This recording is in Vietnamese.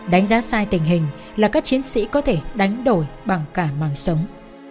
đánh giá sai tình hình là các chiến sĩ có thể đánh đổi bằng cả màng sống